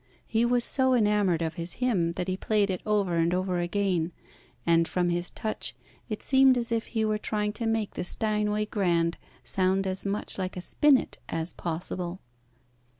He was so enamoured of his hymn that he played it over and over again, and, from his touch, it seemed as if he were trying to make the Steinway grand sound as much like a spinet as possible.